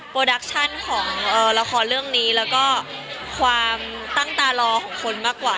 ดักชั่นของละครเรื่องนี้แล้วก็ความตั้งตารอของคนมากกว่า